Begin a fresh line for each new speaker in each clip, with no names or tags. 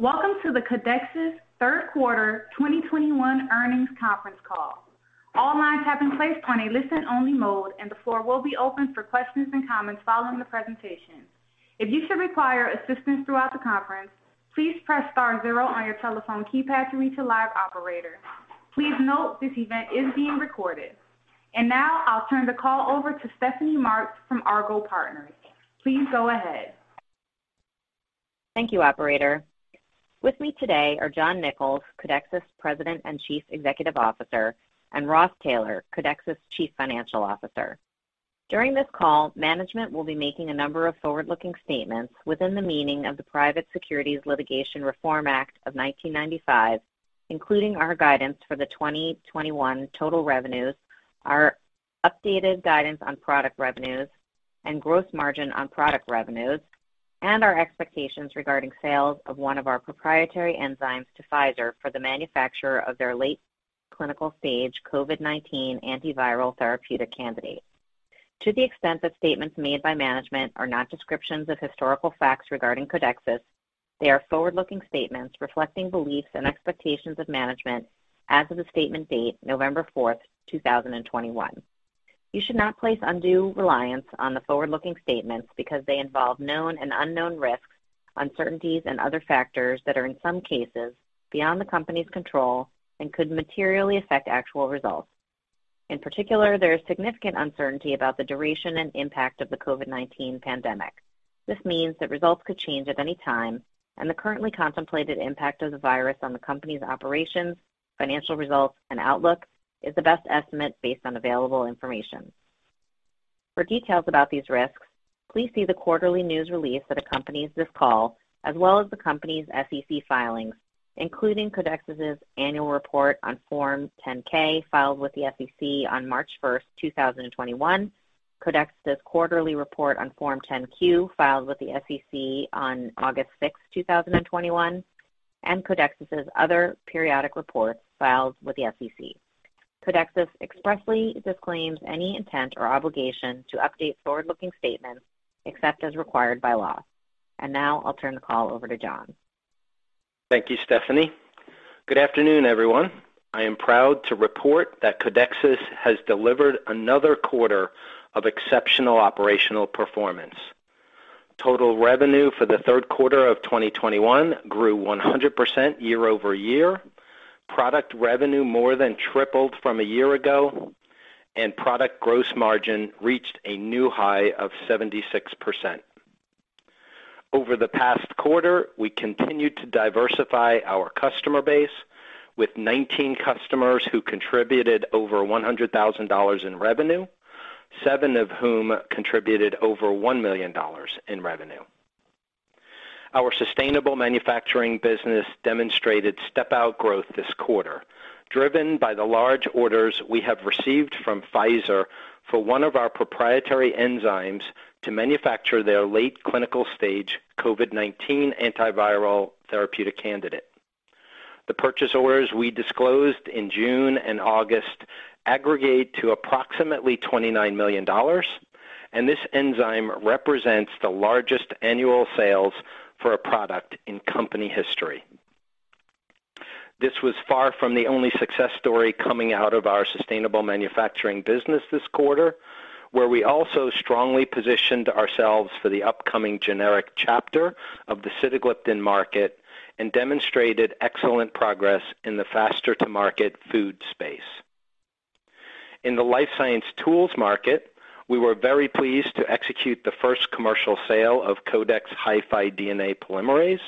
Welcome to the Codexis third quarter 2021 earnings conference call. All lines have been placed on a listen-only mode, and the floor will be open for questions and comments following the presentation. If you should require assistance throughout the conference, please press star zero on your telephone keypad to reach a live operator. Please note this event is being recorded. Now I'll turn the call over to Stephanie Marks from Argot Partners. Please go ahead.
Thank you, operator. With me today are John Nicols, Codexis President and Chief Executive Officer, and Ross Taylor, Codexis Chief Financial Officer. During this call, management will be making a number of forward-looking statements within the meaning of the Private Securities Litigation Reform Act of 1995, including our guidance for the 2021 total revenues, our updated guidance on product revenues and gross margin on product revenues, and our expectations regarding sales of one of our proprietary enzymes to Pfizer for the manufacture of their late clinical stage COVID-19 antiviral therapeutic candidate. To the extent that statements made by management are not descriptions of historical facts regarding Codexis, they are forward-looking statements reflecting beliefs and expectations of management as of the statement date November 4th, 2021. You should not place undue reliance on the forward-looking statements because they involve known and unknown risks, uncertainties and other factors that are, in some cases, beyond the company's control and could materially affect actual results. In particular, there is significant uncertainty about the duration and impact of the COVID-19 pandemic. This means that results could change at any time, and the currently contemplated impact of the virus on the company's operations, financial results and outlook is the best estimate based on available information. For details about these risks, please see the quarterly news release that accompanies this call, as well as the company's SEC filings, including Codexis' annual report on Form 10-K, filed with the SEC on March 1st, 2021, Codexis' quarterly report on Form 10-Q, filed with the SEC on August 6th, 2021, and Codexis' other periodic reports filed with the SEC. Codexis expressly disclaims any intent or obligation to update forward-looking statements except as required by law. Now I'll turn the call over to John.
Thank you, Stephanie. Good afternoon, everyone. I am proud to report that Codexis has delivered another quarter of exceptional operational performance. Total revenue for the third quarter of 2021 grew 100% year-over-year. Product revenue more than tripled from a year ago, and product gross margin reached a new high of 76%. Over the past quarter, we continued to diversify our customer base with 19 customers who contributed over $100,000 in revenue, seven of whom contributed over $1 million in revenue. Our sustainable manufacturing business demonstrated step-out growth this quarter, driven by the large orders we have received from Pfizer for one of our proprietary enzymes to manufacture their late clinical stage COVID-19 antiviral therapeutic candidate. The purchase orders we disclosed in June and August aggregate to approximately $29 million, and this enzyme represents the largest annual sales for a product in company history. This was far from the only success story coming out of our sustainable manufacturing business this quarter, where we also strongly positioned ourselves for the upcoming generic chapter of the sitagliptin market and demonstrated excellent progress in the faster-to-market food space. In the life science tools market, we were very pleased to execute the first commercial sale of Codex HiFi DNA polymerase,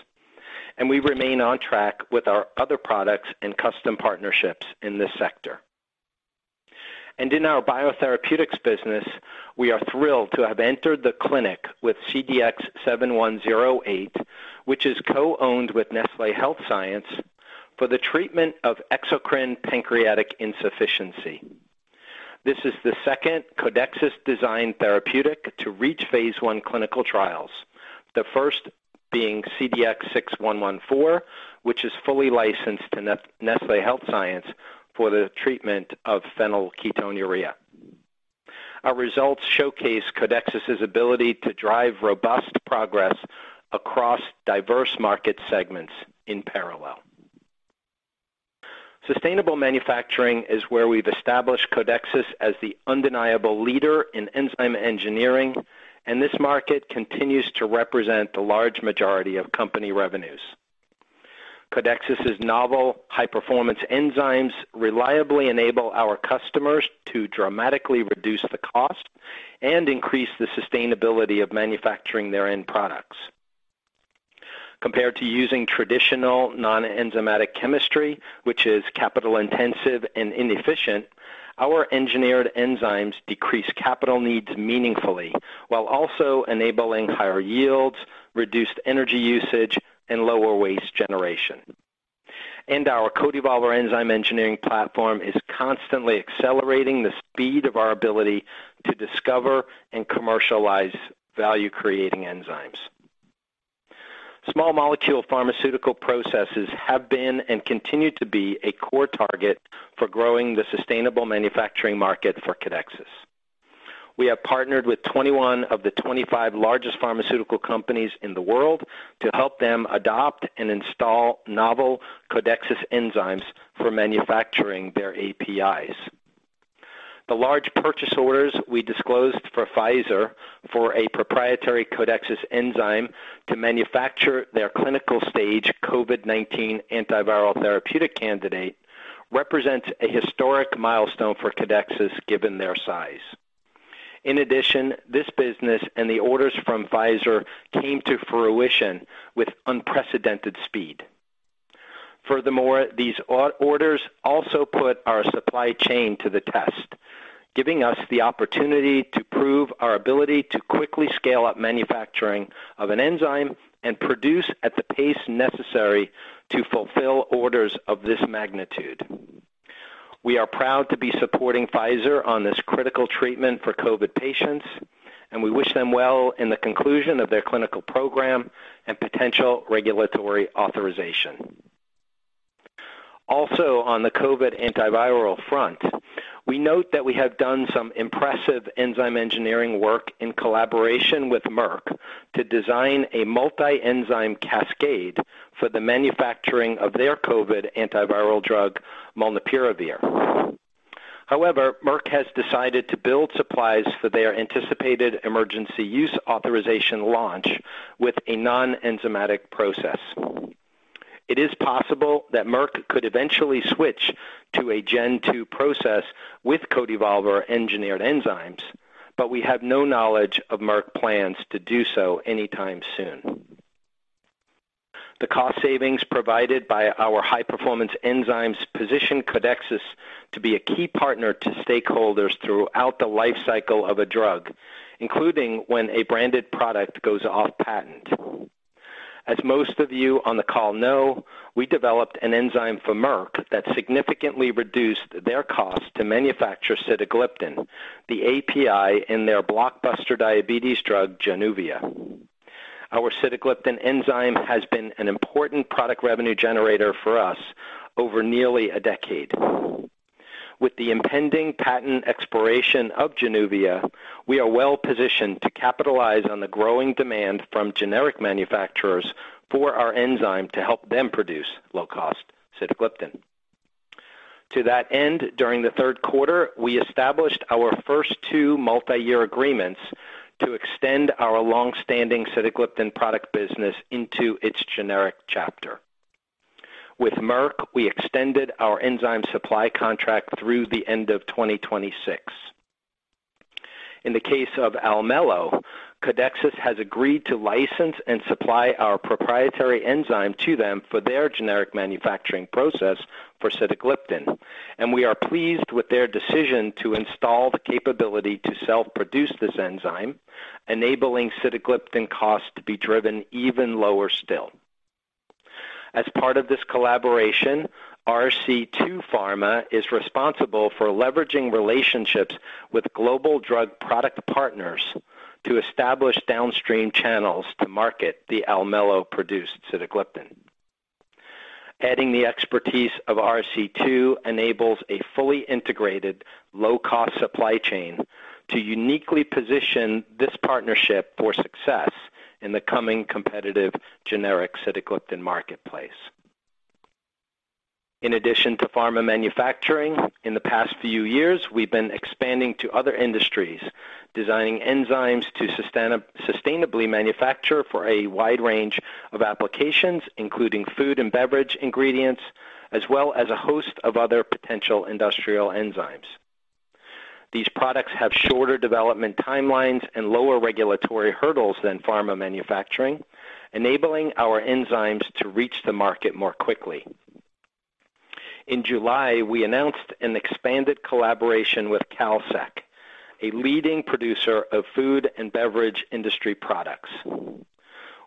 and we remain on track with our other products and custom partnerships in this sector. In our biotherapeutics business, we are thrilled to have entered the clinic with CDX-7108, which is co-owned with Nestlé Health Science for the treatment of exocrine pancreatic insufficiency. This is the second Codexis designed therapeutic to reach phase I clinical trials, the first being CDX-6114, which is fully licensed to Nestlé Health Science for the treatment of phenylketonuria. Our results showcase Codexis' ability to drive robust progress across diverse market segments in parallel. Sustainable manufacturing is where we've established Codexis as the undeniable leader in enzyme engineering, and this market continues to represent the large majority of company revenues. Codexis' novel high-performance enzymes reliably enable our customers to dramatically reduce the cost and increase the sustainability of manufacturing their end products. Compared to using traditional non-enzymatic chemistry, which is capital intensive and inefficient, our engineered enzymes decrease capital needs meaningfully while also enabling higher yields, reduced energy usage, and lower waste generation. Our CodeEvolver enzyme engineering platform is constantly accelerating the speed of our ability to discover and commercialize value creating enzymes. Small molecule pharmaceutical processes have been and continue to be a core target for growing the sustainable manufacturing market for Codexis. We have partnered with 21 of the 25 largest pharmaceutical companies in the world to help them adopt and install novel Codexis enzymes for manufacturing their APIs. The large purchase orders we disclosed for Pfizer for a proprietary Codexis enzyme to manufacture their clinical stage COVID-19 antiviral therapeutic candidate represents a historic milestone for Codexis given their size. In addition, this business and the orders from Pfizer came to fruition with unprecedented speed. Furthermore, these orders also put our supply chain to the test, giving us the opportunity to prove our ability to quickly scale up manufacturing of an enzyme and produce at the pace necessary to fulfill orders of this magnitude. We are proud to be supporting Pfizer on this critical treatment for COVID patients, and we wish them well in the conclusion of their clinical program and potential regulatory authorization. Also, on the COVID antiviral front, we note that we have done some impressive enzyme engineering work in collaboration with Merck to design a multi-enzyme cascade for the manufacturing of their COVID antiviral drug, molnupiravir. However, Merck has decided to build supplies for their anticipated emergency use authorization launch with a non-enzymatic process. It is possible that Merck could eventually switch to a gen two process with CodeEvolver engineered enzymes, but we have no knowledge of Merck plans to do so anytime soon. The cost savings provided by our high-performance enzymes position Codexis to be a key partner to stakeholders throughout the life cycle of a drug, including when a branded product goes off patent. As most of you on the call know, we developed an enzyme for Merck that significantly reduced their cost to manufacture sitagliptin, the API in their blockbuster diabetes drug, Januvia. Our sitagliptin enzyme has been an important product revenue generator for us over nearly a decade. With the impending patent expiration of Januvia, we are well positioned to capitalize on the growing demand from generic manufacturers for our enzyme to help them produce low cost sitagliptin. To that end, during the third quarter, we established our first two multi-year agreements to extend our long-standing sitagliptin product business into its generic chapter. With Merck, we extended our enzyme supply contract through the end of 2026. In the case of Almelo, Codexis has agreed to license and supply our proprietary enzyme to them for their generic manufacturing process for sitagliptin, and we are pleased with their decision to install the capability to self-produce this enzyme, enabling sitagliptin costs to be driven even lower still. As part of this collaboration, RC2 Pharma is responsible for leveraging relationships with global drug product partners to establish downstream channels to market the Almelo-produced sitagliptin. Adding the expertise of RC2 enables a fully integrated low cost supply chain to uniquely position this partnership for success in the coming competitive generic sitagliptin marketplace. In addition to pharma manufacturing, in the past few years, we've been expanding to other industries, designing enzymes to sustainably manufacture for a wide range of applications, including food and beverage ingredients, as well as a host of other potential industrial enzymes. These products have shorter development timelines and lower regulatory hurdles than pharma manufacturing, enabling our enzymes to reach the market more quickly. In July, we announced an expanded collaboration with Kalsec, a leading producer of food and beverage industry products.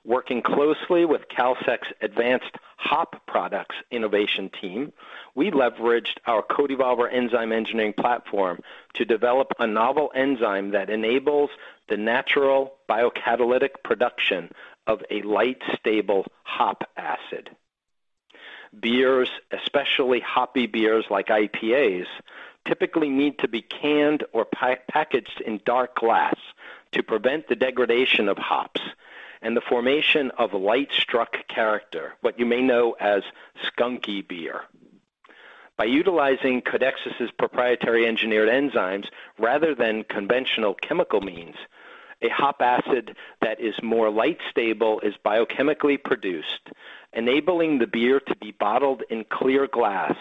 Working closely with Kalsec's advanced hop products innovation team, we leveraged our CodeEvolver enzyme engineering platform to develop a novel enzyme that enables the natural biocatalytic production of a light, stable hop acid. Beers, especially hoppy beers like IPAs, typically need to be canned or packaged in dark glass to prevent the degradation of hops and the formation of lightstruck character, what you may know as skunky beer. By utilizing Codexis' proprietary engineered enzymes rather than conventional chemical means, a hop acid that is more light stable is biochemically produced, enabling the beer to be bottled in clear glass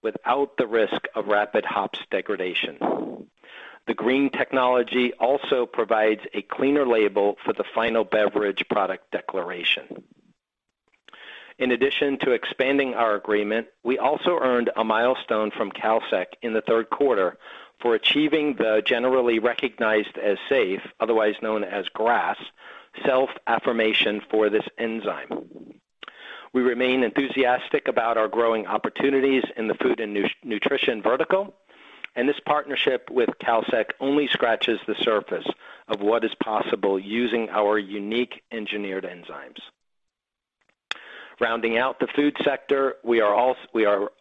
without the risk of rapid hops degradation. The green technology also provides a cleaner label for the final beverage product declaration. In addition to expanding our agreement, we also earned a milestone from Kalsec in the third quarter for achieving the generally recognized as safe, otherwise known as GRAS, self-affirmation for this enzyme. We remain enthusiastic about our growing opportunities in the food and nut-nutrition vertical, and this partnership with Kalsec only scratches the surface of what is possible using our unique engineered enzymes. Rounding out the food sector, we are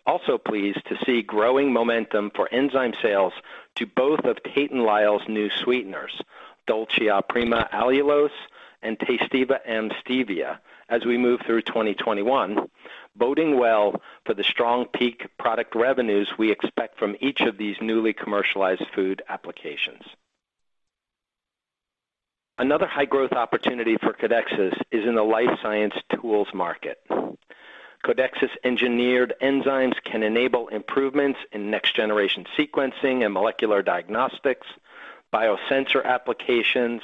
also pleased to see growing momentum for enzyme sales to both of Tate & Lyle's new sweeteners, DOLCIA PRIMA Allulose and TASTEVA M Stevia, as we move through 2021, boding well for the strong peak product revenues we expect from each of these newly commercialized food applications. Another high growth opportunity for Codexis is in the life science tools market. Codexis engineered enzymes can enable improvements in next generation sequencing and molecular diagnostics, biosensor applications,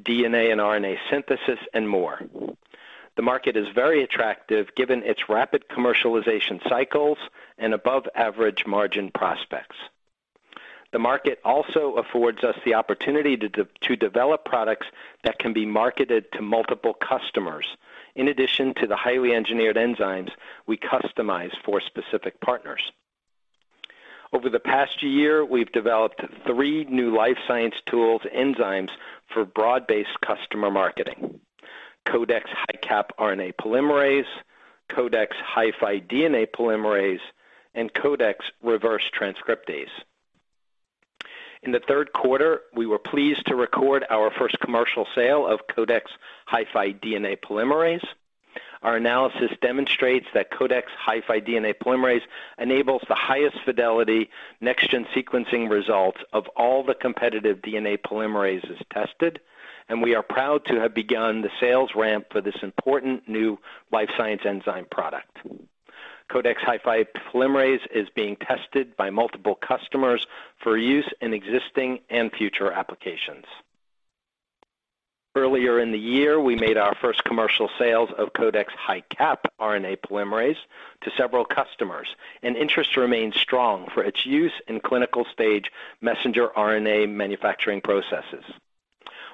DNA and RNA synthesis, and more. The market is very attractive given its rapid commercialization cycles and above average margin prospects. The market also affords us the opportunity to develop products that can be marketed to multiple customers in addition to the highly engineered enzymes we customize for specific partners. Over the past year, we've developed three new life science tools enzymes for broad-based customer marketing. Codex HiCap RNA Polymerase, Codex HiFi DNA polymerase, and Codex Reverse Transcriptase. In the third quarter, we were pleased to record our first commercial sale of Codex HiFi DNA polymerase. Our analysis demonstrates that Codex HiFi DNA polymerase enables the highest fidelity next-gen sequencing results of all the competitive DNA polymerases tested, and we are proud to have begun the sales ramp for this important new life science enzyme product. Codex HiFi polymerase is being tested by multiple customers for use in existing and future applications. Earlier in the year, we made our first commercial sales of Codex HiCap RNA Polymerase to several customers, and interest remains strong for its use in clinical-stage messenger RNA manufacturing processes.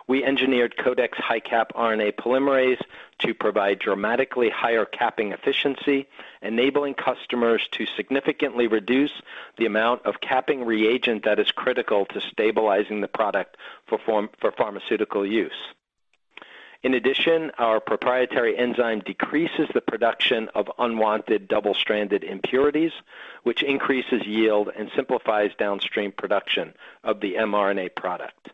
We engineered Codex HiCap RNA Polymerase to provide dramatically higher capping efficiency, enabling customers to significantly reduce the amount of capping reagent that is critical to stabilizing the product for pharmaceutical use. In addition, our proprietary enzyme decreases the production of unwanted double-stranded impurities, which increases yield and simplifies downstream production of the mRNA product.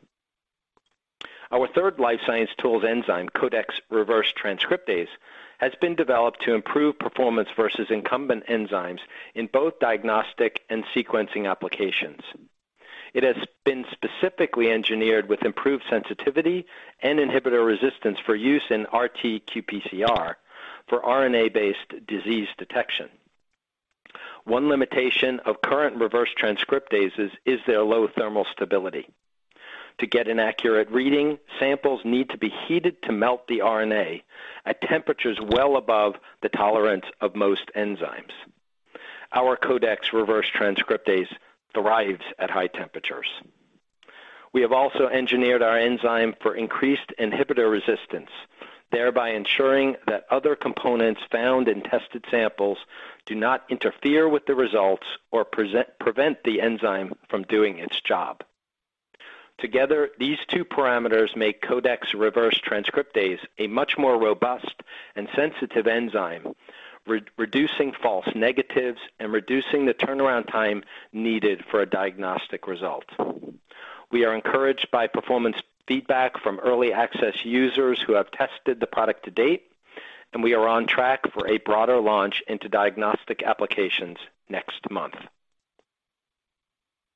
Our third life science tools enzyme, Codex Reverse Transcriptase, has been developed to improve performance versus incumbent enzymes in both diagnostic and sequencing applications. It has been specifically engineered with improved sensitivity and inhibitor resistance for use in RT-qPCR for RNA-based disease detection. One limitation of current reverse transcriptases is their low thermal stability. To get an accurate reading, samples need to be heated to melt the RNA at temperatures well above the tolerance of most enzymes. Our Codex Reverse Transcriptase thrives at high temperatures. We have also engineered our enzyme for increased inhibitor resistance, thereby ensuring that other components found in tested samples do not interfere with the results or prevent the enzyme from doing its job. Together, these two parameters make Codex Reverse Transcriptase a much more robust and sensitive enzyme, reducing false negatives and reducing the turnaround time needed for a diagnostic result. We are encouraged by performance feedback from early access users who have tested the product to date, and we are on track for a broader launch into diagnostic applications next month.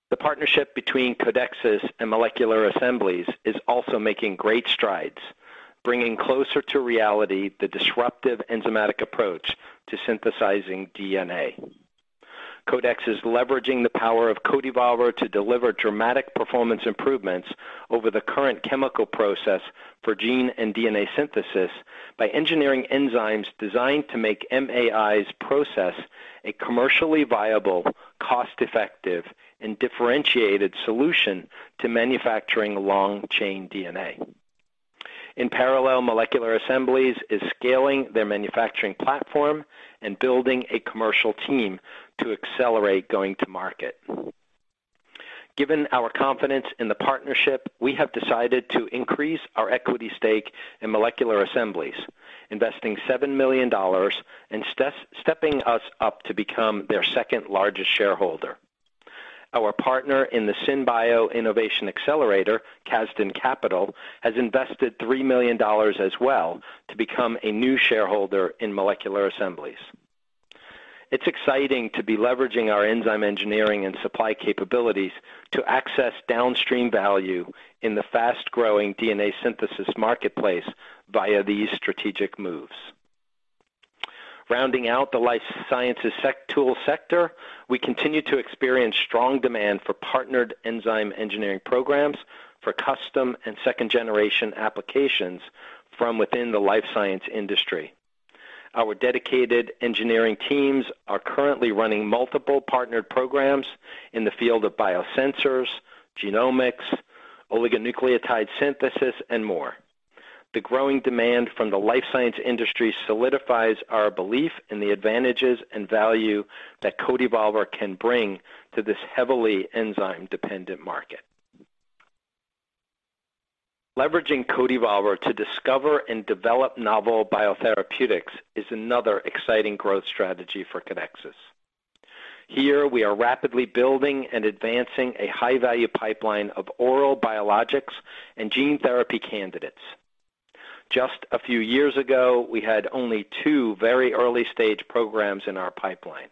The partnership between Codexis and Molecular Assemblies is also making great strides, bringing closer to reality the disruptive enzymatic approach to synthesizing DNA. Codexis is leveraging the power of CodeEvolver to deliver dramatic performance improvements over the current chemical process for gene and DNA synthesis by engineering enzymes designed to make MAI's process a commercially viable, cost-effective, and differentiated solution to manufacturing long-chain DNA. In parallel, Molecular Assemblies is scaling their manufacturing platform and building a commercial team to accelerate going to market. Given our confidence in the partnership, we have decided to increase our equity stake in Molecular Assemblies, investing $7 million and stepping us up to become their second largest shareholder. Our partner in the SynBio Innovation Accelerator, Casdin Capital, has invested $3 million as well to become a new shareholder in Molecular Assemblies. It's exciting to be leveraging our enzyme engineering and supply capabilities to access downstream value in the fast-growing DNA synthesis marketplace via these strategic moves. Rounding out the life sciences tool sector, we continue to experience strong demand for partnered enzyme engineering programs for custom and second generation applications from within the life science industry. Our dedicated engineering teams are currently running multiple partnered programs in the field of biosensors, genomics, oligonucleotide synthesis, and more. The growing demand from the life science industry solidifies our belief in the advantages and value that CodeEvolver can bring to this heavily enzyme-dependent market. Leveraging CodeEvolver to discover and develop novel biotherapeutics is another exciting growth strategy for Codexis. Here we are rapidly building and advancing a high-value pipeline of oral biologics and gene therapy candidates. Just a few years ago, we had only two very early-stage programs in our pipeline.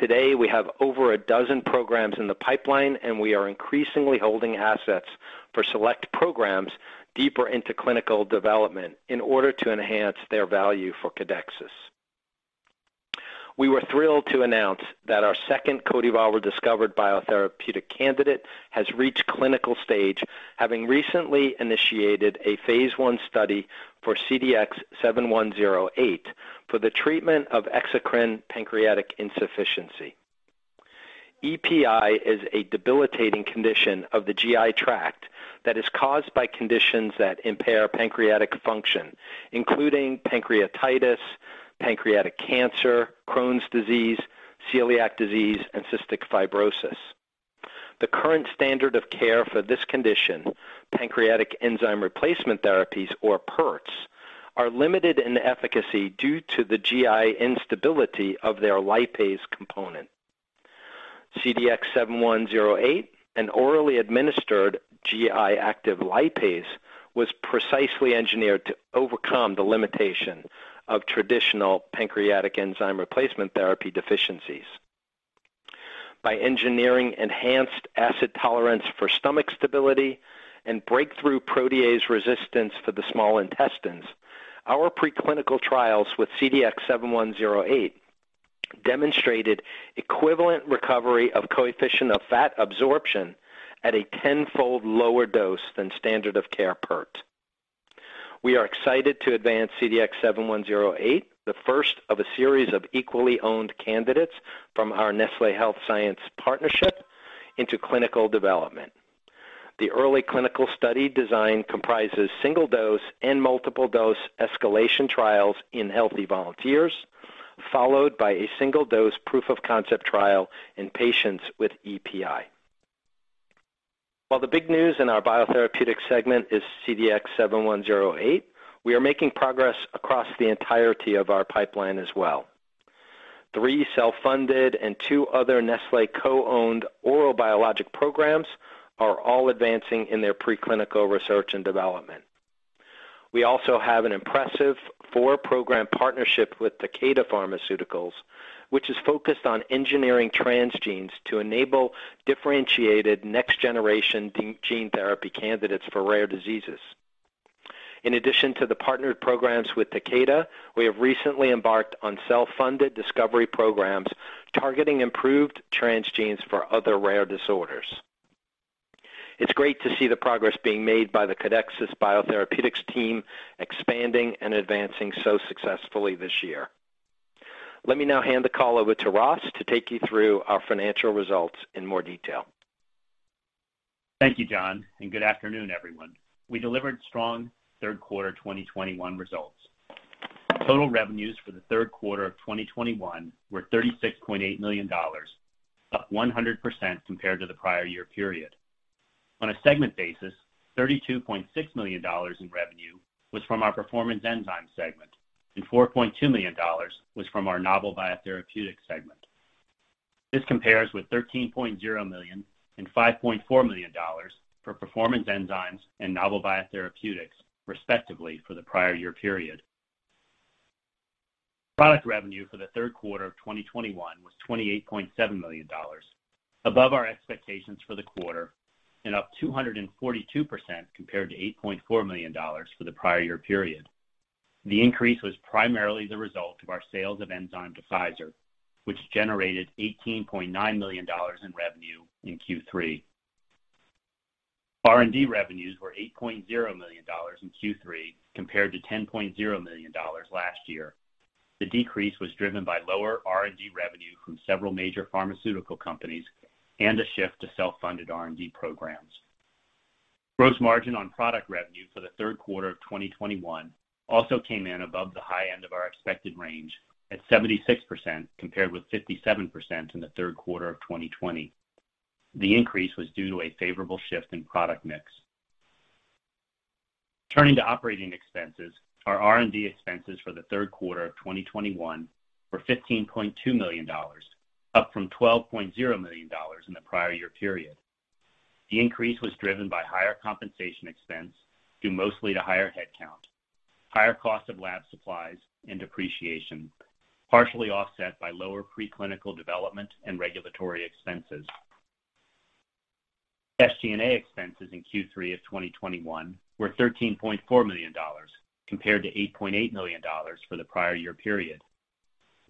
Today, we have over a dozen programs in the pipeline, and we are increasingly holding assets for select programs deeper into clinical development in order to enhance their value for Codexis. We were thrilled to announce that our second CodeEvolver-discovered biotherapeutic candidate has reached clinical stage, having recently initiated a phase I study for CDX-7108 for the treatment of exocrine pancreatic insufficiency. EPI is a debilitating condition of the GI tract that is caused by conditions that impair pancreatic function, including pancreatitis, pancreatic cancer, Crohn's disease, celiac disease, and cystic fibrosis. The current standard of care for this condition, pancreatic enzyme replacement therapies or PERTs, are limited in efficacy due to the GI instability of their lipase component. CDX-7108, an orally administered GI-active lipase, was precisely engineered to overcome the limitation of traditional pancreatic enzyme replacement therapy deficiencies. By engineering enhanced acid tolerance for stomach stability and breakthrough protease resistance for the small intestines, our preclinical trials with CDX-7108 demonstrated equivalent recovery of coefficient of fat absorption at a 10-fold lower dose than standard of care PERT. We are excited to advance CDX-7108, the first of a series of equally owned candidates from our Nestlé Health Science partnership into clinical development. The early clinical study design comprises single-dose and multiple-dose escalation trials in healthy volunteers, followed by a single-dose proof of concept trial in patients with EPI. While the big news in our biotherapeutic segment is CDX-7108, we are making progress across the entirety of our pipeline as well. Three self-funded and two other Nestlé co-owned oral biologic programs are all advancing in their preclinical research and development. We also have an impressive four-program partnership with Takeda Pharmaceuticals, which is focused on engineering transgenes to enable differentiated next-generation gene therapy candidates for rare diseases. In addition to the partnered programs with Takeda, we have recently embarked on self-funded discovery programs targeting improved transgenes for other rare disorders. It's great to see the progress being made by the Codexis biotherapeutics team expanding and advancing so successfully this year. Let me now hand the call over to Ross to take you through our financial results in more detail.
Thank you, John, and good afternoon, everyone. We delivered strong third quarter 2021 results. Total revenues for the third quarter of 2021 were $36.8 million, up 100% compared to the prior year period. On a segment basis, $32.6 million in revenue was from our Performance Enzymes segment and $4.2 million was from our Novel Biotherapeutics segment. This compares with $13.0 million and $5.4 million for performance enzymes and novel biotherapeutics, respectively, for the prior year period. Product revenue for the third quarter of 2021 was $28.7 million, above our expectations for the quarter and up 242% compared to $8.4 million for the prior year period. The increase was primarily the result of our sales of enzyme to Pfizer, which generated $18.9 million in revenue in Q3. R&D revenues were $8.0 million in Q3 compared to $10.0 million last year. The decrease was driven by lower R&D revenue from several major pharmaceutical companies and a shift to self-funded R&D programs. Gross margin on product revenue for the third quarter of 2021 also came in above the high end of our expected range at 76%, compared with 57% in the third quarter of 2020. The increase was due to a favorable shift in product mix. Turning to operating expenses, our R&D expenses for the third quarter of 2021 were $15.2 million, up from $12.0 million in the prior year period. The increase was driven by higher compensation expense, due mostly to higher head count, higher cost of lab supplies and depreciation, partially offset by lower pre-clinical development and regulatory expenses. SG&A expenses in Q3 of 2021 were $13.4 million compared to $8.8 million for the prior year period.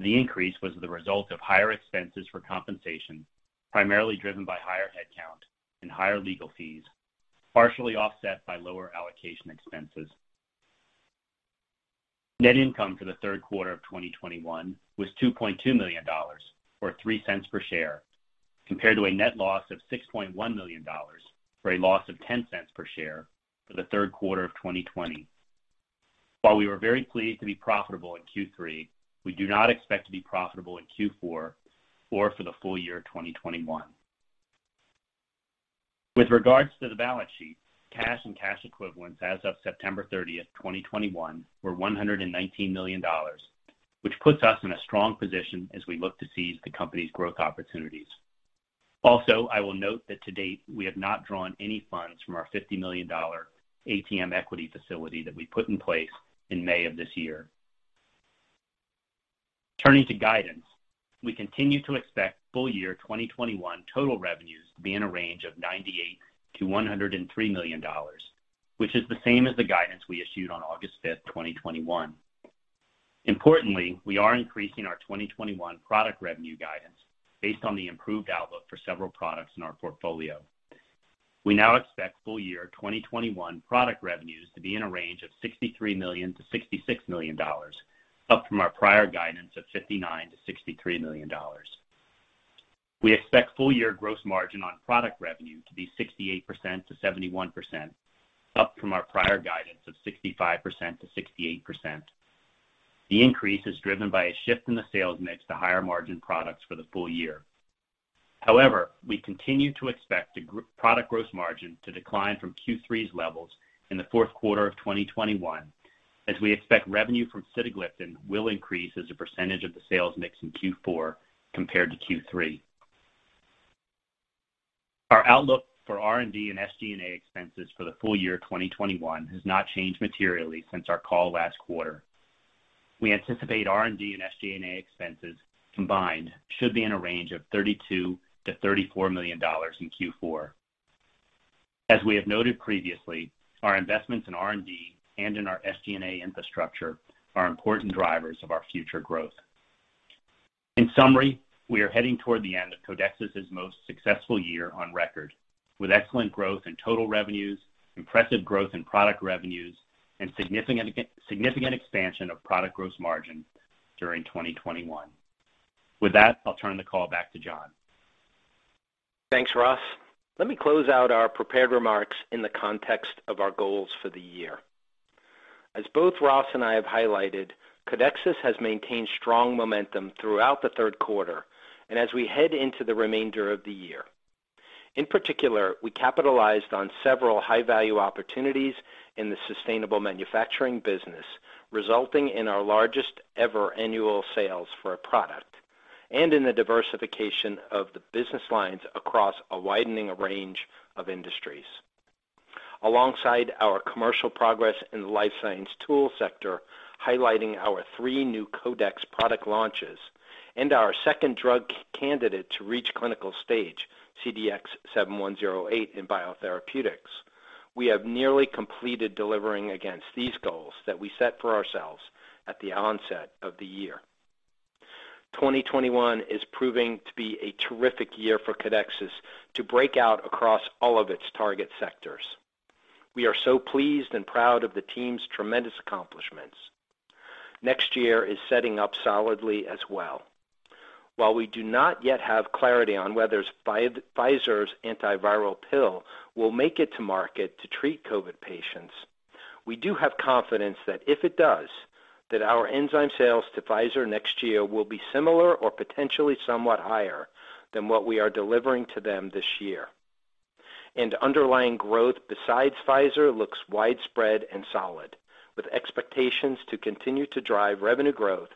The increase was the result of higher expenses for compensation, primarily driven by higher head count and higher legal fees, partially offset by lower allocation expenses. Net income for the third quarter of 2021 was $2.2 million or $0.03 per share, compared to a net loss of $6.1 million or a loss of $0.10 per share for the third quarter of 2020. While we were very pleased to be profitable in Q3, we do not expect to be profitable in Q4 or for the full year 2021. With regards to the balance sheet, cash and cash equivalents as of September 30th, 2021 were $119 million, which puts us in a strong position as we look to seize the company's growth opportunities. Also, I will note that to date, we have not drawn any funds from our $50 million ATM equity facility that we put in place in May of this year. Turning to guidance, we continue to expect full year 2021 total revenues to be in a range of $98 million-$103 million, which is the same as the guidance we issued on August 5th, 2021. Importantly, we are increasing our 2021 product revenue guidance based on the improved outlook for several products in our portfolio. We now expect full year 2021 product revenues to be in a range of $63 million-$66 million, up from our prior guidance of $59 million-$63 million. We expect full year gross margin on product revenue to be 68%-71%, up from our prior guidance of 65%-68%. The increase is driven by a shift in the sales mix to higher margin products for the full year. However, we continue to expect the product gross margin to decline from Q3's levels in the fourth quarter of 2021 as we expect revenue from sitagliptin will increase as a percentage of the sales mix in Q4 compared to Q3. Our outlook for R&D and SG&A expenses for the full year 2021 has not changed materially since our call last quarter. We anticipate R&D and SG&A expenses combined should be in a range of $32 million-$34 million in Q4. As we have noted previously, our investments in R&D and in our SG&A infrastructure are important drivers of our future growth. In summary, we are heading toward the end of Codexis' most successful year on record, with excellent growth in total revenues, impressive growth in product revenues, and significant expansion of product gross margin during 2021. With that, I'll turn the call back to John.
Thanks, Ross. Let me close out our prepared remarks in the context of our goals for the year. As both Ross and I have highlighted, Codexis has maintained strong momentum throughout the third quarter and as we head into the remainder of the year. In particular, we capitalized on several high-value opportunities in the sustainable manufacturing business, resulting in our largest ever annual sales for a product and in the diversification of the business lines across a widening range of industries. Alongside our commercial progress in the life science tool sector, highlighting our three new Codexis product launches and our second drug candidate to reach clinical stage, CDX-7108 in biotherapeutics, we have nearly completed delivering against these goals that we set for ourselves at the onset of the year. 2021 is proving to be a terrific year for Codexis to break out across all of its target sectors. We are so pleased and proud of the team's tremendous accomplishments. Next year is setting up solidly as well. While we do not yet have clarity on whether Pfizer's antiviral pill will make it to market to treat COVID patients, we do have confidence that if it does, that our enzyme sales to Pfizer next year will be similar or potentially somewhat higher than what we are delivering to them this year. Underlying growth besides Pfizer looks widespread and solid, with expectations to continue to drive revenue growth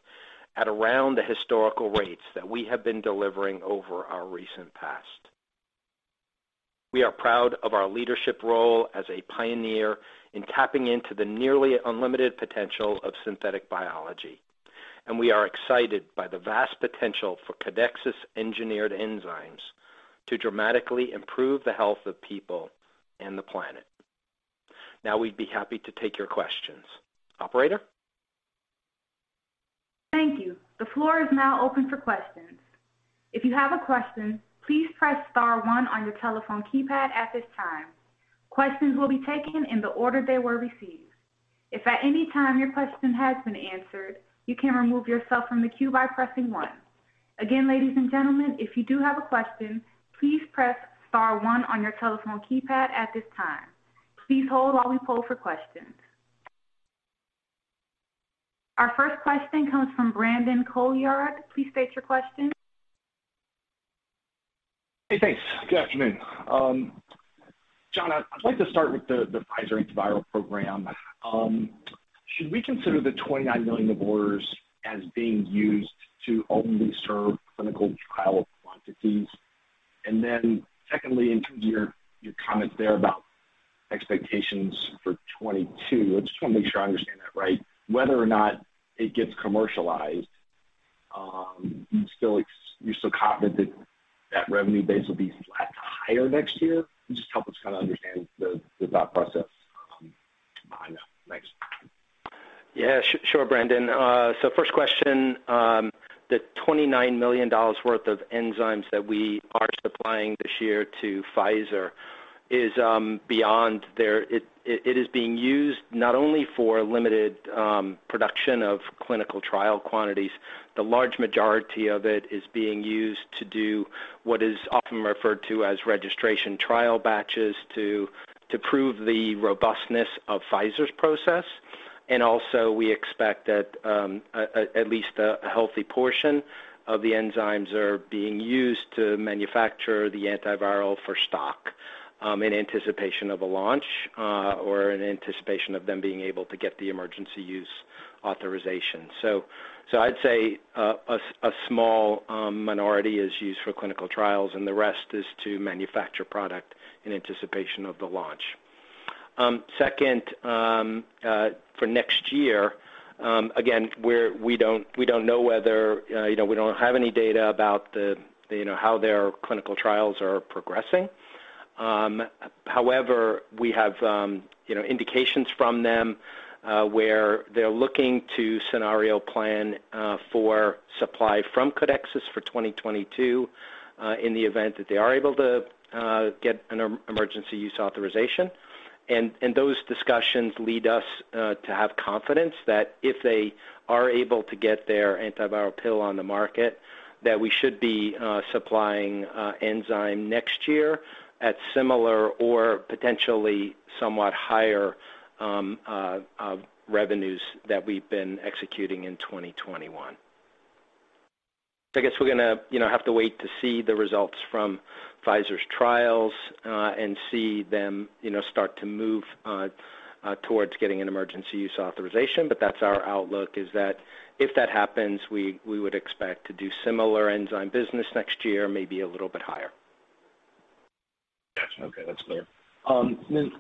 at around the historical rates that we have been delivering over our recent past. We are proud of our leadership role as a pioneer in tapping into the nearly unlimited potential of synthetic biology, and we are excited by the vast potential for Codexis engineered enzymes to dramatically improve the health of people and the planet. Now we'd be happy to take your questions. Operator?
Thank you. The floor is now open for questions. If you have a question, please press star one on your telephone keypad at this time. Questions will be taken in the order they were received. If at any time your question has been answered, you can remove yourself from the queue by pressing one. Again, ladies and gentlemen, if you do have a question, please press star one on your telephone keypad at this time. Please hold while we poll for questions. Our first question comes from Brandon Couillard. Please state your question.
Hey, thanks. Good afternoon. John, I'd like to start with the Pfizer antiviral program. Should we consider the $29 million of orders as being used to only serve clinical trial quantities? Then secondly, in terms of your comments there about expectations for 2022, I just want to make sure I understand that right. Whether or not it gets commercialized, you're still confident that that revenue base will be flat to higher next year? Just help us understand the thought process behind that. Thanks.
Yeah, sure, Brandon. First question, the $29 million worth of enzymes that we are supplying this year to Pfizer is being used not only for limited production of clinical trial quantities. The large majority of it is being used to do what is often referred to as registration trial batches to prove the robustness of Pfizer's process. Also we expect that at least a healthy portion of the enzymes are being used to manufacture the antiviral for stock in anticipation of a launch or in anticipation of them being able to get the emergency use authorization. I'd say a small minority is used for clinical trials, and the rest is to manufacture product in anticipation of the launch. Second, for next year, again, we don't know whether, you know, we don't have any data about the, you know, how their clinical trials are progressing. However, we have, you know, indications from them, where they're looking to scenario plan, for supply from Codexis for 2022, in the event that they are able to get an emergency use authorization. Those discussions lead us to have confidence that if they are able to get their antiviral pill on the market, that we should be supplying enzyme next year at similar or potentially somewhat higher revenues that we've been executing in 2021. I guess we're gonna, you know, have to wait to see the results from Pfizer's trials, and see them, you know, start to move towards getting an emergency use authorization. That's our outlook, is that if that happens, we would expect to do similar enzyme business next year, maybe a little bit higher.
Got you. Okay, that's clear.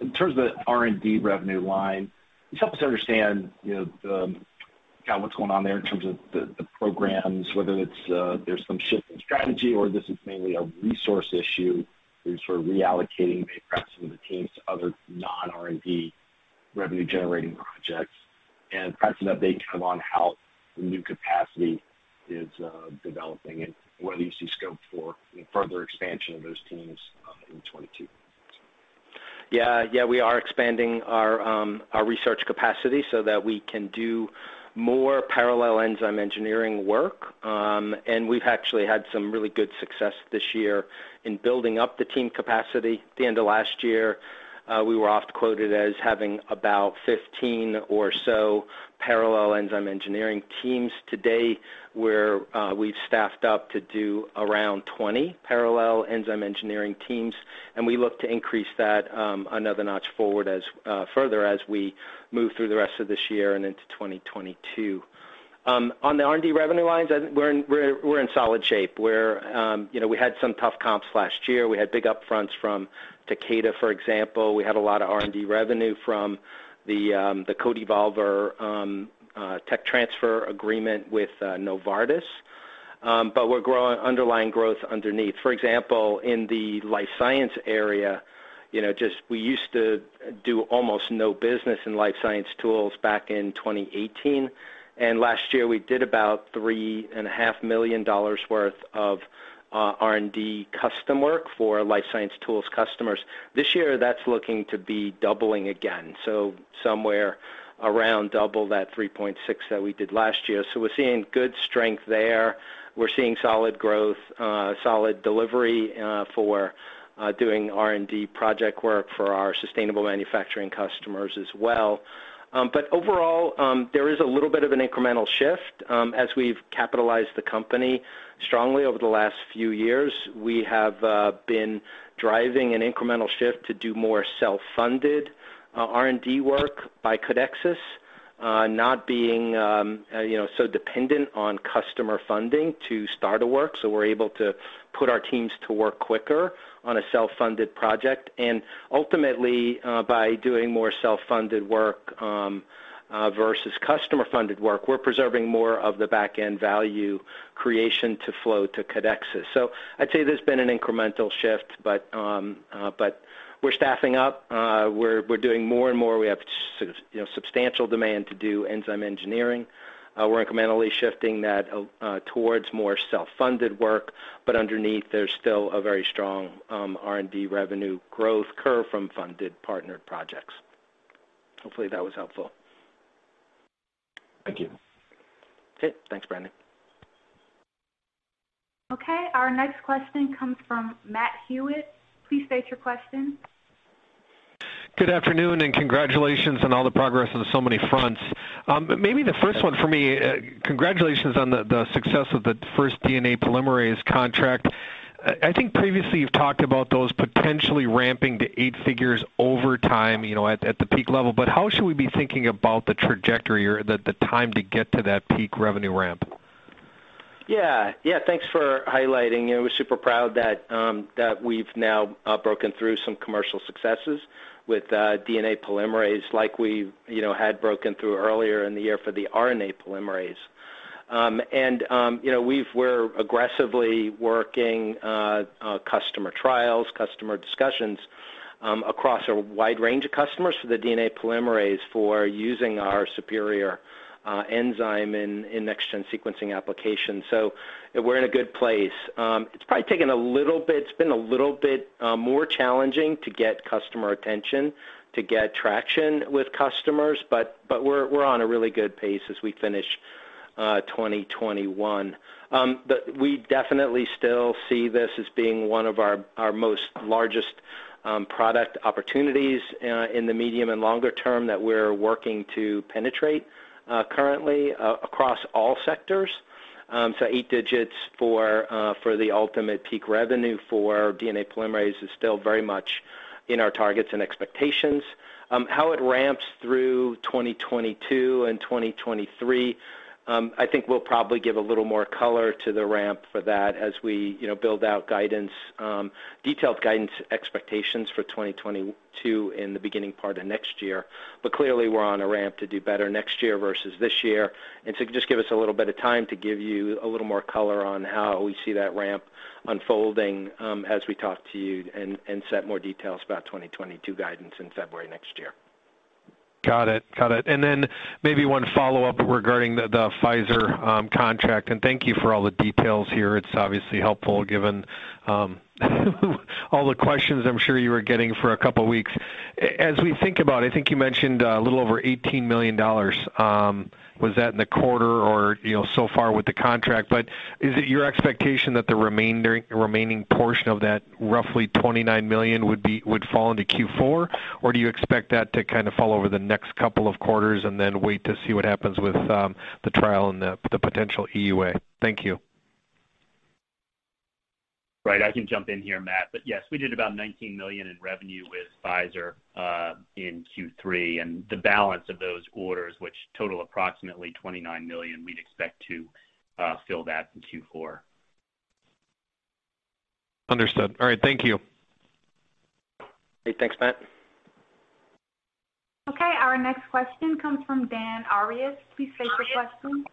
In terms of the R&D revenue line, just help us understand, you know, kinda what's going on there in terms of the programs, whether it's, there's some shift in strategy or this is mainly a resource issue, you're sort of reallocating perhaps some of the teams to other non-R&D revenue generating projects, and perhaps an update, kind of, on how the new capacity is developing and whether you see scope for further expansion of those teams in 2022.
Yeah. Yeah, we are expanding our research capacity so that we can do more parallel enzyme engineering work. We've actually had some really good success this year in building up the team capacity. At the end of last year, we were often quoted as having about 15 or so parallel enzyme engineering teams. Today, we've staffed up to do around 20 parallel enzyme engineering teams, and we look to increase that another notch forward as we move through the rest of this year and into 2022. On the R&D revenue lines, I think we're in solid shape. You know, we had some tough comps last year. We had big up-fronts from Takeda, for example. We had a lot of R&D revenue from the CodeEvolver tech transfer agreement with Novartis. We're growing underlying growth underneath. For example, in the life science area, you know, just we used to do almost no business in life science tools back in 2018, and last year we did about $3.5 million worth of R&D custom work for life science tools customers. This year, that's looking to be doubling again. Somewhere around double that 3.6 that we did last year. We're seeing good strength there. We're seeing solid growth, solid delivery, for doing R&D project work for our sustainable manufacturing customers as well. Overall, there is a little bit of an incremental shift, as we've capitalized the company strongly over the last few years. We have been driving an incremental shift to do more self-funded R&D work by Codexis, not being, you know, so dependent on customer funding to start a work. We're able to put our teams to work quicker on a self-funded project. Ultimately, by doing more self-funded work versus customer-funded work, we're preserving more of the back-end value creation to flow to Codexis. I'd say there's been an incremental shift, but we're staffing up. We're doing more and more. We have, you know, substantial demand to do enzyme engineering. We're incrementally shifting that towards more self-funded work, but underneath, there's still a very strong R&D revenue growth curve from funded partnered projects. Hopefully that was helpful.
Thank you.
Okay. Thanks, Brandon.
Okay, our next question comes from Matt Hewitt. Please state your question.
Good afternoon, and congratulations on all the progress on so many fronts. Maybe the first one for me, congratulations on the success of the first DNA polymerase contract. I think previously you've talked about those potentially ramping to eight figures over time, you know, at the peak level, but how should we be thinking about the tRossectory or the time to get to that peak revenue ramp?
Yeah. Yeah, thanks for highlighting. You know, we're super proud that we've now broken through some commercial successes with DNA polymerase like we've you know had broken through earlier in the year for the RNA polymerase. You know, we're aggressively working customer trials, customer discussions across a wide range of customers for the DNA polymerase for using our superior enzyme in next-gen sequencing applications. So we're in a good place. It's been a little bit more challenging to get customer attention, to get traction with customers, but we're on a really good pace as we finish 2021. We definitely still see this as being one of our most largest product opportunities in the medium and longer term that we're working to penetrate currently across all sectors. Eight digits for the ultimate peak revenue for DNA polymerase is still very much in our targets and expectations. How it ramps through 2022 and 2023, I think we'll probably give a little more color to the ramp for that as we, you know, build out guidance, detailed guidance expectations for 2022 in the beginning part of next year. Clearly, we're on a ramp to do better next year versus this year. Just give us a little bit of time to give you a little more color on how we see that ramp unfolding, as we talk to you and set more details about 2022 guidance in February next year.
Got it. Maybe one follow-up regarding the Pfizer contract. Thank you for all the details here. It's obviously helpful given all the questions I'm sure you were getting for a couple weeks. As we think about, I think you mentioned a little over $18 million, was that in the quarter or so far with the contract? Is it your expectation that the remaining portion of that roughly $29 million would fall into Q4? Or do you expect that to kind of fall over the next couple of quarters and then wait to see what happens with the trial and the potential EUA? Thank you.
Right. I can jump in here, Matt. Yes, we did about $19 million in revenue with Pfizer in Q3. The balance of those orders, which total approximately $29 million, we'd expect to fill that in Q4.
Understood. All right. Thank you.
Hey, thanks, Matt.
Okay. Our next question comes from Dan Arias. Please state your question.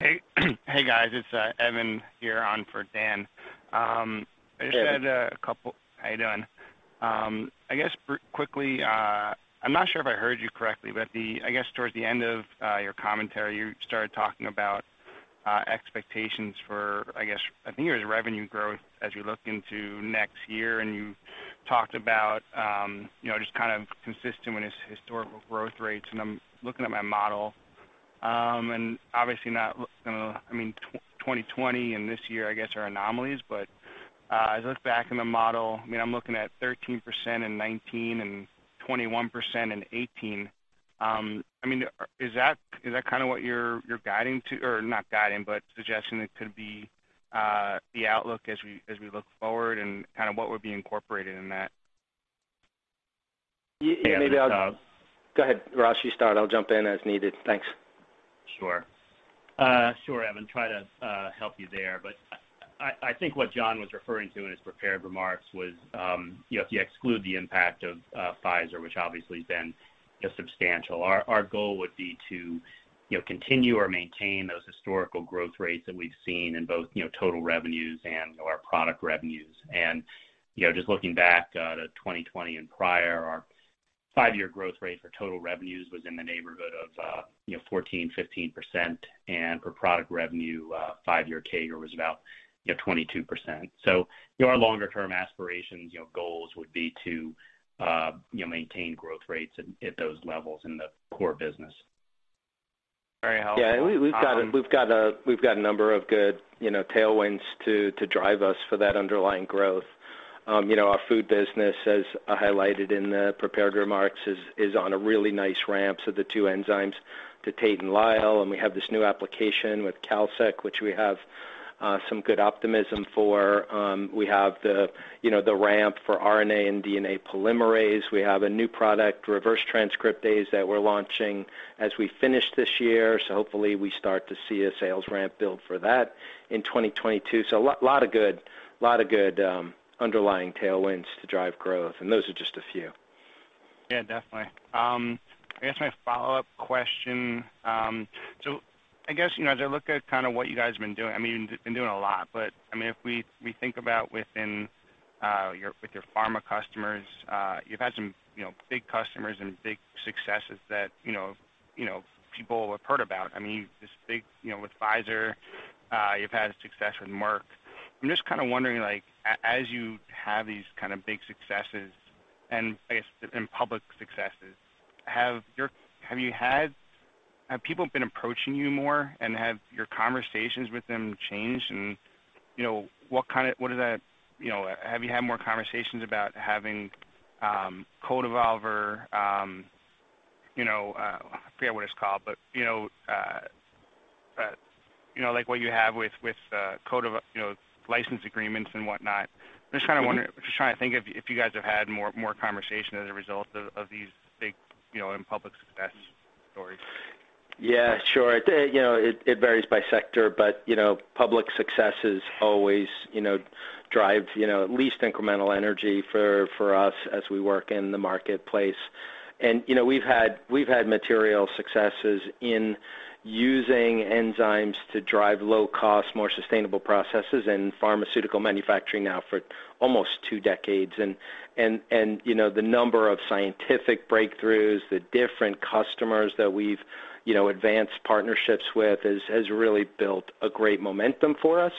Hey. Hey, guys. It's Evan here on for Dan. I just had a couple. How you doing? I guess quickly, I'm not sure if I heard you correctly, but I guess towards the end of your commentary, you started talking about expectations for, I guess, I think it was revenue growth as you look into next year, and you talked about, you know, just kind of consistent with historical growth rates. I'm looking at my model, and obviously not, you know, I mean, 2020 and this year, I guess, are anomalies. I look back in the model, I mean, I'm looking at 13% and 19% and 21% and 18%. I mean, is that kind of what you're guiding to or not guiding, but suggesting it could be the outlook as we look forward and kind of what would be incorporated in that?
Yeah. Maybe I'll
Yeah.
Go ahead, Ross. You start. I'll jump in as needed. Thanks.
Sure, Evan, try to help you there. I think what John was referring to in his prepared remarks was, you know, if you exclude the impact of Pfizer, which obviously has been, you know, substantial, our goal would be to, you know, continue or maintain those historical growth rates that we've seen in both, you know, total revenues and our product revenues. You know, just looking back to 2020 and prior, our five-year growth rate for total revenues was in the neighborhood of, you know, 14%-15%, and for product revenue, five-year CAGR was about, you know, 22%. You know, our longer term aspirations, goals would be to, you know, maintain growth rates at those levels in the core business.
Very helpful.
Yeah, we've got a number of good, you know, tailwinds to drive us for that underlying growth. You know, our food business, as highlighted in the prepared remarks, is on a really nice ramp. The two enzymes to Tate & Lyle, and we have this new application with Kalsec, which we have some good optimism for. You know, the ramp for RNA and DNA polymerase. We have a new product, reverse transcriptase, that we're launching as we finish this year. Hopefully, we start to see a sales ramp build for that in 2022. A lot of good underlying tailwinds to drive growth, and those are just a few.
Yeah, definitely. I guess my follow-up question, so I guess, you know, as I look at kind of what you guys have been doing, I mean, you've been doing a lot, but I mean, if we think about with your pharma customers, you've had some, you know, big customers and big successes that, you know, people have heard about. I mean, this big, you know, with Pfizer, you've had success with Merck. I'm just kind of wondering, like, as you have these kind of big successes, and I guess, and public successes, have you had people been approaching you more, and have your conversations with them changed? You know, what does that mean? Have you had more conversations about having CodeEvolver, you know, I forget what it's called, but you know, like what you have with Codex, you know, license agreements and whatnot. I'm just kind of wondering, just trying to think if you guys have had more conversation as a result of these big, you know, and public success stories.
Yeah, sure. You know, it varies by sector, but you know, public successes always you know, drive you know, at least incremental energy for us as we work in the marketplace. You know, we've had material successes in using enzymes to drive low cost, more sustainable processes in pharmaceutical manufacturing now for almost 2 decades. You know, the number of scientific breakthroughs, the different customers that we've you know, advanced partnerships with has really built a great momentum for us.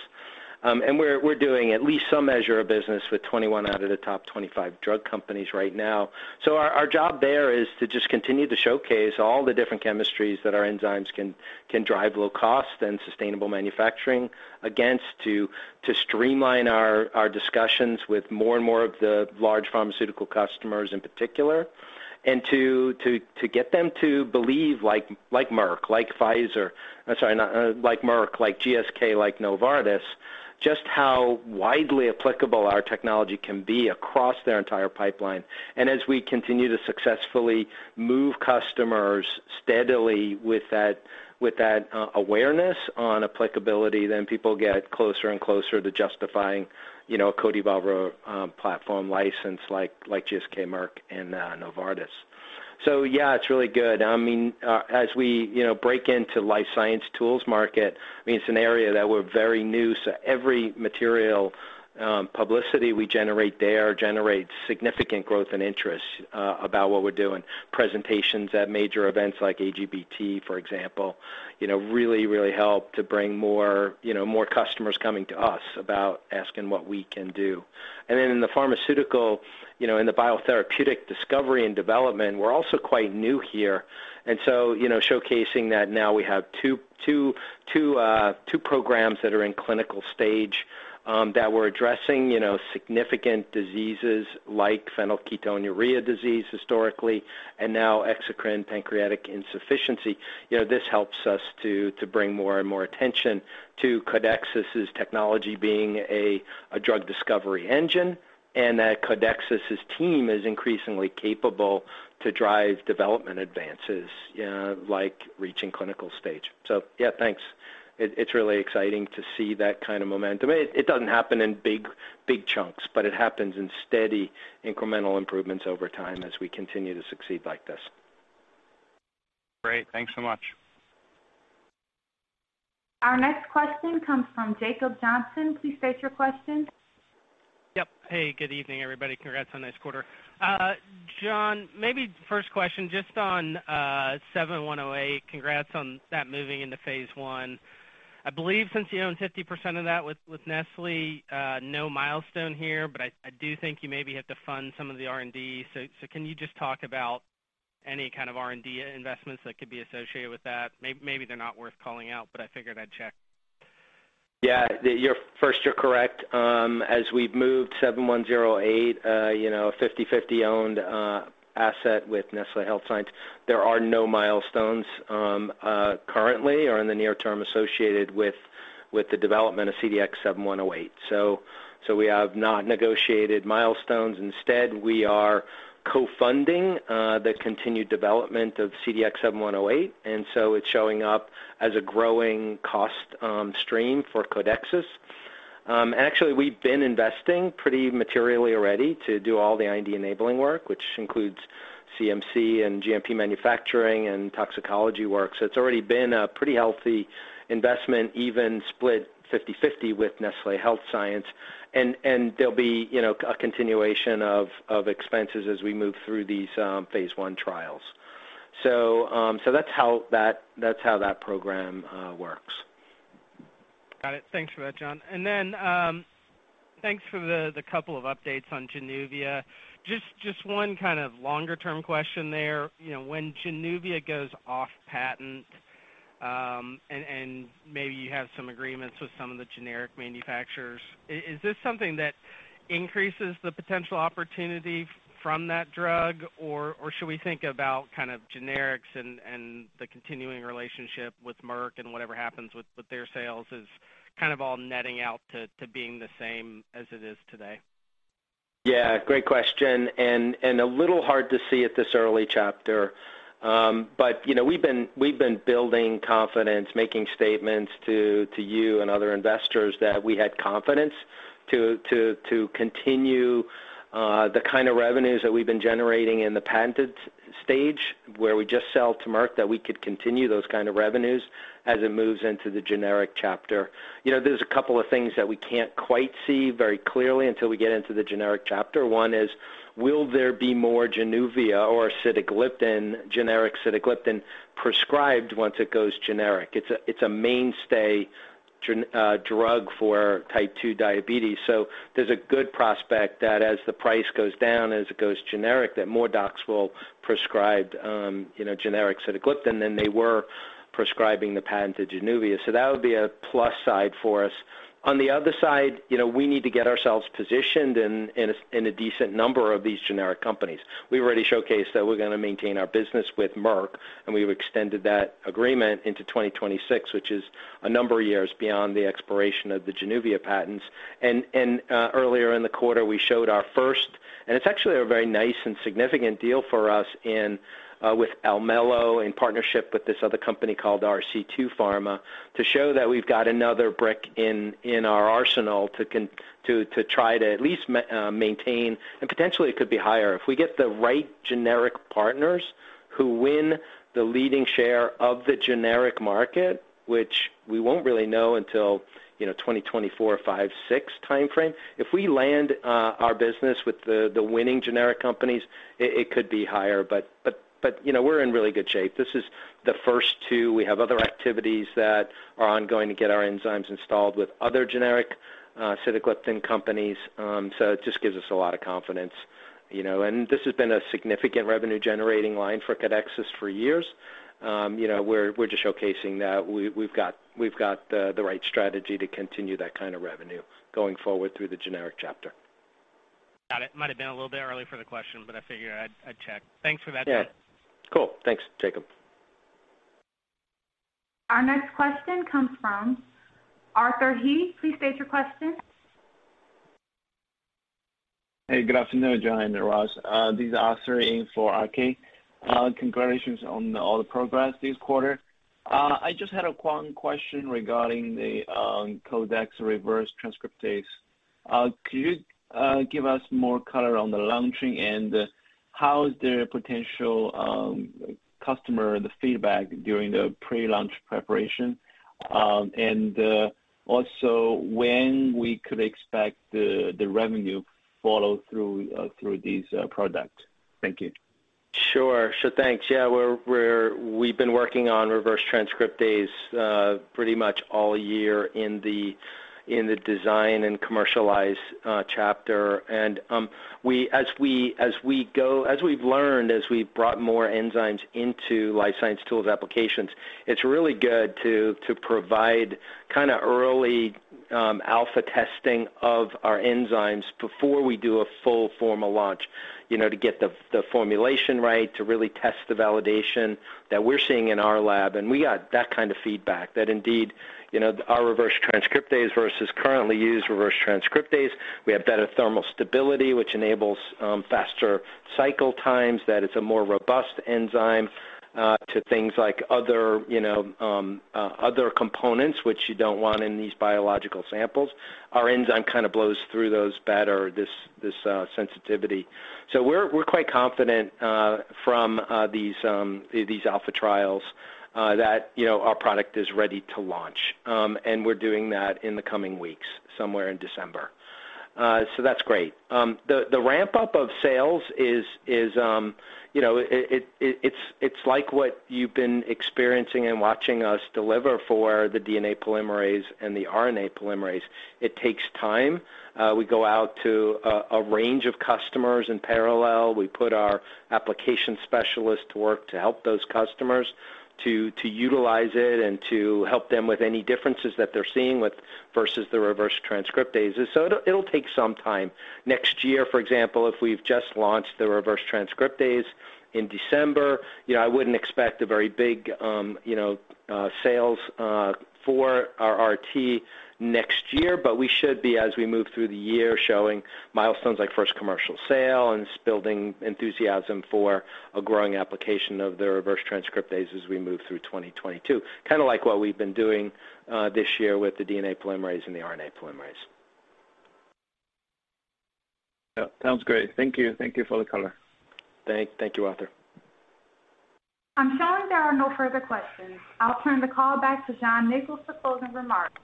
We're doing at least some measure of business with 21 out of the top 25 drug companies right now. Our job there is to just continue to showcase all the different chemistries that our enzymes can drive low cost and sustainable manufacturing against to streamline our discussions with more and more large pharmaceutical customers in particular to get them to believe like Merck, like Pfizer. I'm sorry, like Merck, like GSK, like Novartis, just how widely applicable our technology can be across their entire pipeline. As we continue to successfully move customers steadily with that awareness on applicability, then people get closer and closer to justifying, you know, a CodeEvolver platform license like GSK, Merck, and Novartis. Yeah, it's really good. I mean, as we, you know, break into life science tools market, I mean, it's an area that we're very new, so every material publicity we generate there generates significant growth and interest about what we're doing. Presentations at major events like AGBT, for example, you know, really help to bring more, you know, more customers coming to us about asking what we can do. In the pharmaceutical, you know, in the biotherapeutic discovery and development, we're also quite new here. You know, showcasing that now we have two programs that are in clinical stage that we're addressing, you know, significant diseases like phenylketonuria disease historically and now exocrine pancreatic insufficiency. You know, this helps us to bring more and more attention to Codexis' technology being a drug discovery engine, and that Codexis' team is increasingly capable to drive development advances, like reaching clinical stage. Yeah, thanks. It's really exciting to see that kind of momentum. It doesn't happen in big chunks, but it happens in steady incremental improvements over time as we continue to succeed like this.
Great. Thanks so much.
Our next question comes from Jacob Johnson. Please state your question.
Yep. Hey, good evening, everybody. Congrats on this quarter. John, maybe first question just on 7108. Congrats on that moving into phase I. I believe since you own 50% of that with Nestlé, no milestone here, but I do think you maybe have to fund some of the R&D. Can you just talk about any kind of R&D investments that could be associated with that? Maybe they're not worth calling out, but I figured I'd check.
Yeah. First, you're correct. As we've moved 7108, you know, a 50/50 owned asset with Nestlé Health Science, there are no milestones currently or in the near term associated with the development of CDX-7108. We have not negotiated milestones. Instead, we are co-funding the continued development of CDX-7108, and it's showing up as a growing cost stream for Codexis. Actually, we've been investing pretty materially already to do all the IND-enabling work, which includes CMC and GMP manufacturing and toxicology work. It's already been a pretty healthy investment, even split 50/50 with Nestlé Health Science. There'll be, you know, a continuation of expenses as we move through these phase I trials. That's how that program works.
Got it. Thanks for that, John. Thanks for the couple of updates on Januvia. Just one kind of longer-term question there. You know, when Januvia goes off patent, and maybe you have some agreements with some of the generic manufacturers, is this something that increases the potential opportunity from that drug? Or should we think about kind of generics and the continuing relationship with Merck and whatever happens with their sales is kind of all netting out to being the same as it is today?
Yeah, great question, and a little hard to see at this early chapter. You know, we've been building confidence, making statements to you and other investors that we had confidence to continue the kind of revenues that we've been generating in the patented stage, where we just sell to Merck, that we could continue those kind of revenues as it moves into the generic chapter. You know, there's a couple of things that we can't quite see very clearly until we get into the generic chapter. One is, will there be more Januvia or sitagliptin, generic sitagliptin prescribed once it goes generic? It's a mainstay drug for Type 2 diabetes, so there's a good prospect that as the price goes down, as it goes generic, that more docs will prescribe, you know, generic sitagliptin than they were prescribing the patented Januvia. That would be a plus side for us. On the other side, you know, we need to get ourselves positioned in a decent number of these generic companies. We've already showcased that we're gonna maintain our business with Merck, and we've extended that agreement into 2026, which is a number of years beyond the expiration of the Januvia patents. Earlier in the quarter, we showed our first, and it's actually a very nice and significant deal for us with Almelo in partnership with this other company called RC2 Pharma, to show that we've got another brick in our arsenal to try to at least maintain, and potentially it could be higher. If we get the right generic partners who win the leading share of the generic market, which we won't really know until, you know, 2024 or 2025, 2026 timeframe. If we land our business with the winning generic companies, it could be higher. You know, we're in really good shape. This is the first two. We have other activities that are ongoing to get our enzymes installed with other generic sitagliptin companies. It just gives us a lot of confidence, you know. This has been a significant revenue-generating line for Codexis for years. You know, we're just showcasing that we've got the right strategy to continue that kind of revenue going forward through the generic chapter.
Got it. Might have been a little bit early for the question, but I figured I'd check. Thanks for that.
Yeah. Cool. Thanks, Jacob.
Our next question comes from Arthur Hee. Please state your question.
Hey, good afternoon, John and Ross. This is Arthur in for R.K.. Congratulations on all the progress this quarter. I just had a question regarding the Codex Reverse Transcriptase. Could you give us more color on the launching and how is the potential customer the feedback during the pre-launch preparation? Also when we could expect the revenue follow through through this product. Thank you.
Sure. Thanks. Yeah, we've been working on reverse transcriptase pretty much all year in the design and commercialize chapter. As we've learned, as we've brought more enzymes into life science tools applications, it's really good to provide kind of early alpha testing of our enzymes before we do a full formal launch, you know, to get the formulation right, to really test the validation that we're seeing in our lab. We got that kind of feedback that indeed, you know, our reverse transcriptase versus currently used reverse transcriptase, we have better thermal stability, which enables faster cycle times, that it's a more robust enzyme to things like other components which you don't want in these biological samples. Our enzyme kind of blows through those better, this sensitivity. We're quite confident from these alpha trials that, you know, our product is ready to launch. We're doing that in the coming weeks, somewhere in December. That's great. The ramp-up of sales is, you know, it's like what you've been experiencing and watching us deliver for the DNA polymerase and the RNA polymerase. It takes time. We go out to a range of customers in parallel. We put our application specialists to work to help those customers to utilize it and to help them with any differences that they're seeing with versus the reverse transcriptase. It'll take some time. Next year, for example, if we've just launched the reverse transcriptase in December, you know, I wouldn't expect a very big, you know, sales, for our RT next year. We should be, as we move through the year, showing milestones like first commercial sale and building enthusiasm for a growing application of the reverse transcriptase as we move through 2022. Kinda like what we've been doing, this year with the DNA polymerase and the RNA polymerase.
Yeah. Sounds great. Thank you. Thank you for the color.
Thank you, Arthur.
I'm showing there are no further questions. I'll turn the call back to John Nicols for closing remarks.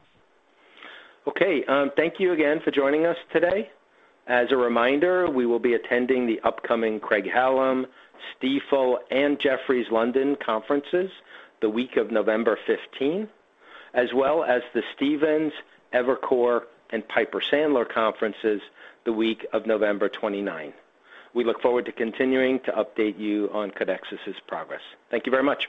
Okay, thank you again for joining us today. As a reminder, we will be attending the upcoming Craig-Hallum, Stifel, and Jefferies London conferences the week of November 15, as well as the Stephens, Evercore, and Piper Sandler conferences the week of November 29. We look forward to continuing to update you on Codexis's progress. Thank you very much.